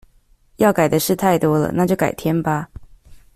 要改的事太多了，那就改天吧